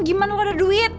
gimana lu ada duit